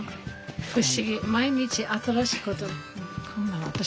不思議毎日新しいことを習う。